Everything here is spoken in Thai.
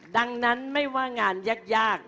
ดังนั้นไม่ว่างานยาก